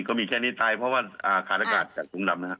ก็มีแค่นี้ตายเพราะว่าขาดอากาศจากถุงดำนะครับ